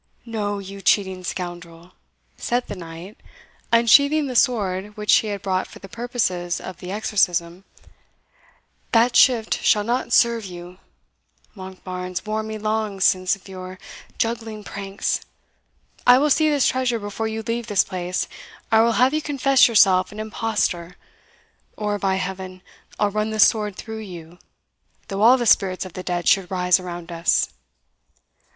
"No, you cheating scoundrel!" said the knight, unsheathing the sword which he had brought for the purposes of the exorcism, "that shift shall not serve you Monkbarns warned me long since of your juggling pranks I will see this treasure before you leave this place, or I will have you confess yourself an impostor, or, by Heaven, I'll run this sword through you, though all the spirits of the dead should rise around us!"